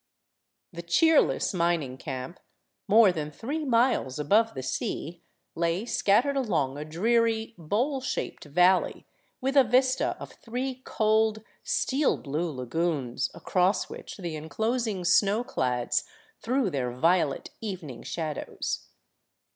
The cheerless mining camp, more than three miles above the sea, lay scattered along a dreary, bowl shaped valley, with a vista of three cold, steel blue lagoons, across which the enclosing snowclads threw their violet evening shadows.